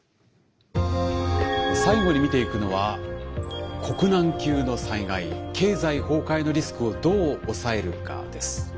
最後に見ていくのは国難級の災害経済崩壊のリスクをどう抑えるかです。